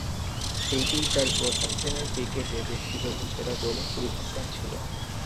এটিই তার প্রথম-শ্রেণীর ক্রিকেটে ব্যক্তিগত সেরা বোলিং পরিসংখ্যান ছিল।